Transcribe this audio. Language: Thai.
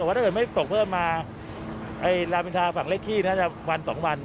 แต่ว่าถ้าเกิดไม่ตกเพิ่มมาลาบินทราฝั่งเลขที่น่าจะวัน๒วัน